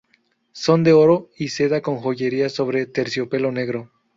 Son de oro y seda con joyería, sobre terciopelo negro.